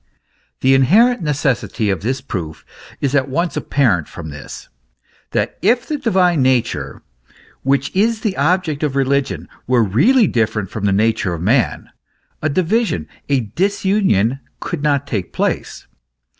The inherent necessity of this proof is at once apparent from this, that if the divine nature, which is the object of religion, were really different from the nature of man, a division, a disunion could not take place.